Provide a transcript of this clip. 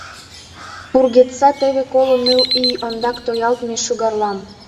Пургедса теве коло ныл ий ондак тоялтме шӱгарлам!